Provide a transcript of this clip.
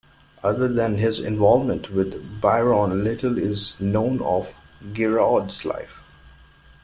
Other than his involvement with Byron, little is known of Giraud's life.